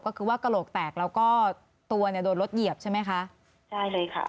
ก็คือว่ากระโหลกแตกแล้วก็ตัวเนี่ยโดนรถเหยียบใช่ไหมคะใช่เลยค่ะ